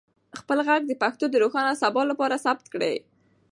خپل ږغ د پښتو د روښانه سبا لپاره ثبت کړئ.